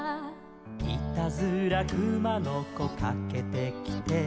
「いたずらくまのこかけてきて」